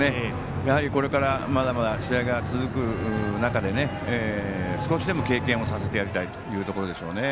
これからまだまだ試合が続く中で少しでも経験をさせてやりたいというところでしょうね。